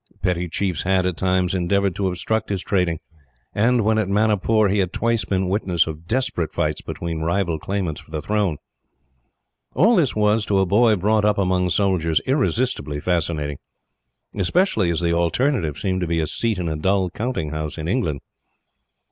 Petty chiefs had, at times, endeavoured to obstruct his trading and, when at Manipur, he had twice been witness of desperate fights between rival claimants for the throne. All this was, to a boy brought up among soldiers, irresistibly fascinating; especially as the alternative seemed to be a seat in a dull counting house in England.